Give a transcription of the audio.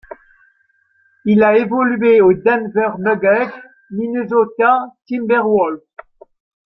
Il a évolué aux Denver Nuggets, Minnesota Timberwolves.